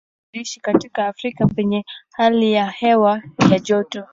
Watu wa kwanza waliishi katika Afrika penye hali ya hewa ya joto.